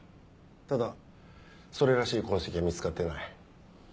ただそれらしい痕跡は見つかってない。